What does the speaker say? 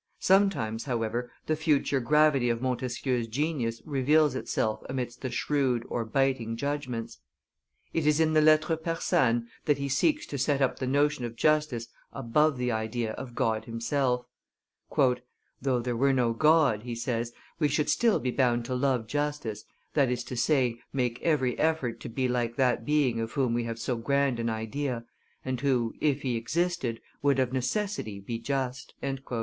Sometimes, however, the future gravity of Montesquieu's genius reveals itself amidst the shrewd or biting judgments. It is in the Lettres persanes that he seeks to set up the notion of justice above the idea of God himself. "Though there were no God," he says, "we should still be bound to love justice, that is to say, make every effort to be like that Being of whom we have so grand an idea, and who, if He existed, would of necessity be just."